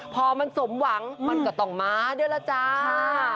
พอมันสมหวังมันก็ต้องมาด้วยล่ะจ้า